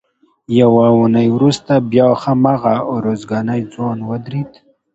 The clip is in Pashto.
یوه اونۍ وروسته بیا هماغه ارزګانی ځوان ودرېد.